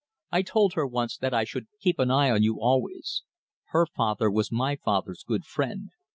I told her once that I should keep an eye on you always. Her father was my father's good friend.